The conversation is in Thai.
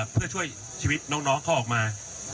เพื่อช่วยชีวิตน้องเขาออกมา